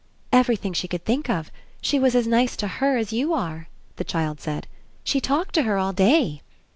"Everything she could think of. She was as nice to her as you are," the child said. "She talked to her all day."